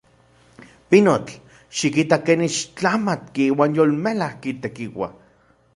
¡Pinotl! ¡Xikita ken ixtlamatki uan yolmelajki tekiua!